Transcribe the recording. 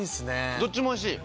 どっちもおいしい？